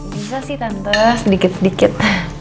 bisa sih tante sedikit sedikit